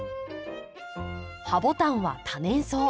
ハボタンは多年草。